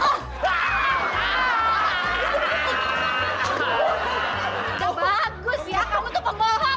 udah bagus ya kamu tuh penggolong